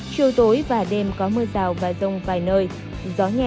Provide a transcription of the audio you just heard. chiều tối và đêm có mưa rào và rông vài nơi gió nhẹ